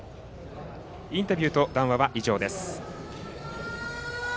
インタビューと談話は以上です。